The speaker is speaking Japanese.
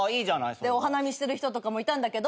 お花見してる人もいたんだけど。